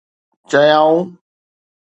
چيائون